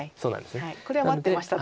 これは待ってましたと。